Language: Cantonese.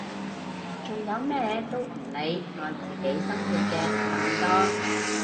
仲有咩都唔理愛自己生活嘅更多！